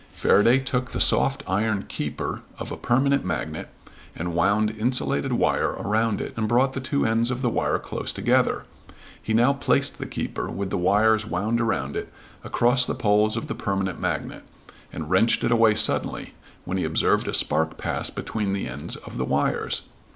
Faraday took the soft iron "keeper" of a permanent magnet and wound insulated wire around it and brought the two ends of the wire close together. He now placed the keeper, with the wire wound around it, across the poles of the permanent magnet, and wrenched it away suddenly, when he observed a spark pass between the ends of the wires.